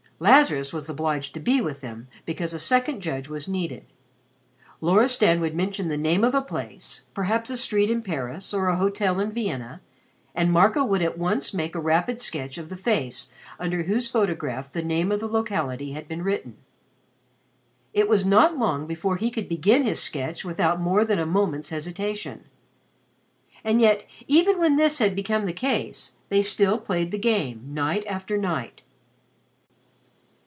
Lazarus was obliged to be with them because a second judge was needed. Loristan would mention the name of a place, perhaps a street in Paris or a hotel in Vienna, and Marco would at once make a rapid sketch of the face under whose photograph the name of the locality had been written. It was not long before he could begin his sketch without more than a moment's hesitation. And yet even when this had become the case, they still played the game night after night.